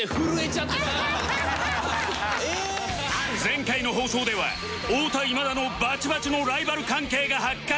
前回の放送では太田今田のバチバチのライバル関係が発覚